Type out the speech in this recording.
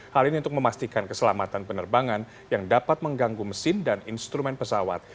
hal ini untuk memastikan keselamatan penerbangan yang dapat mengganggu mesin dan instrumen pesawat